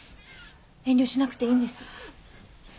遠慮しなくていいんです。